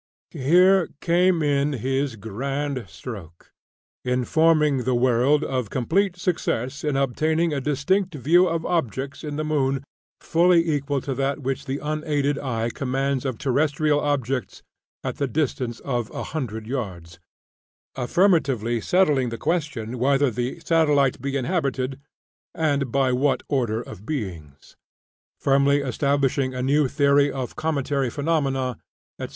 Here came in his grand stroke, informing the world of complete success in obtaining a distinct view of objects in the moon "fully equal to that which the unaided eye commands of terrestrial objects at the distance of a hundred yards, affirmatively settling the question whether the satellite be inhabited, and by what order of beings," "firmly establishing a new theory of cometary phenomena," etc.